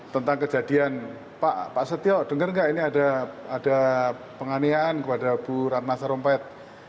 tentang kejadian pak setio denger nggak ini ada penganiaan kepada ibu ratna sarumpayat